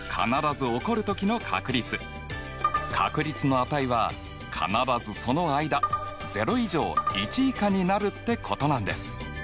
つまり確率の値は必ずその間０以上１以下になるってことなんです。